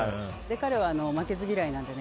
彼は負けず嫌いなのでね